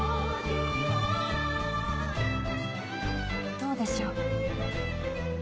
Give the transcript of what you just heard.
どうでしょう？